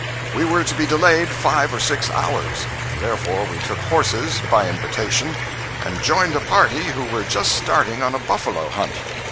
We were to be delayed five or six hours, and therefore we took horses, by invitation, and joined a party who were just starting on a buffalo hunt.